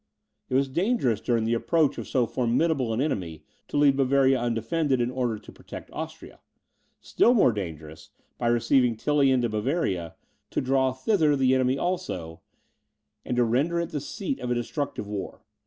It was dangerous, during the approach of so formidable an enemy, to leave Bavaria undefended, in order to protect Austria; still more dangerous, by receiving Tilly into Bavaria, to draw thither the enemy also, and to render it the seat of a destructive war.